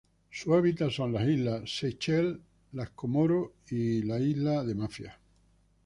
Su hábitat son las islas Seychelles, las Comoros y Isla de Mafia.